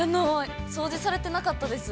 ◆掃除されてなかったです。